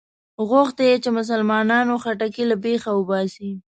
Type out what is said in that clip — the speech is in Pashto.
غوښته یې چې مسلمانانو خټکی له بېخه وباسي.